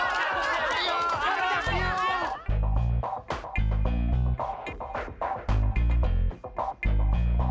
kepala kepala kperala kepala kepala kepala kepala kepala kepala kepala